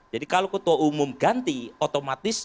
jadi kalau ketua umum ganti otomatis